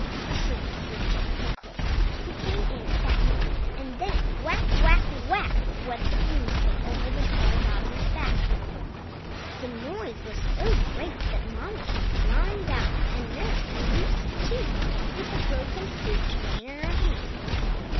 shrieked Bridget, the cook, who came in at that moment; and then—whack! whack! whack! went the broomstick over the poor doggie's back. The noise was so great that Mamma came flying down, and nurse and Lucy, too, with the broken soup tureen in her hand.